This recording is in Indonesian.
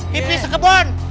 pipis ke kebun